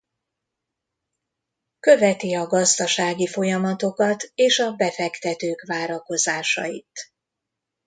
Követi a gazdasági folyamatokat és a befektetők várakozásait.